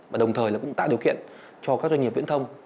và đồng thời cũng tạo điều kiện cho các doanh nghiệp viễn thông